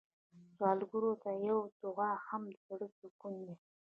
سوالګر ته یو دعا هم د زړه سکون دی